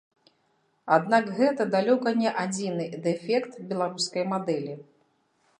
Аднак гэта далёка не адзіны дэфект беларускай мадэлі.